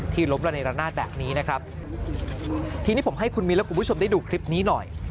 ล้มระเนรนาศแบบนี้นะครับทีนี้ผมให้คุณมิ้นและคุณผู้ชมได้ดูคลิปนี้หน่อย